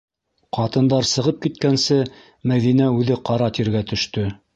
Ҡатындар сығып киткәнсе, Мәҙинә үҙе ҡара тиргә төштө.